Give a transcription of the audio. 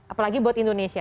apalagi buat indonesia